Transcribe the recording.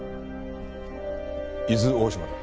伊豆大島だ。